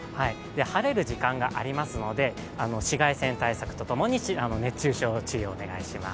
晴れる時間がありますので、紫外線対策とともに熱中症に注意をお願いします。